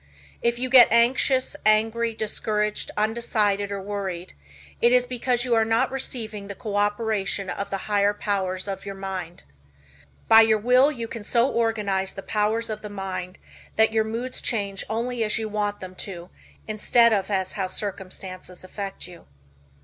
If you get anxious, angry, discouraged, undecided or worried, it is because you are not receiving the co operation of the higher powers of your mind. By your Will you can so organize the powers of the mind that your moods change only as you want them to instead of as circumstances affect you.